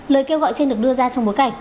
lời kêu gọi trên được đưa ra trong bối cảnh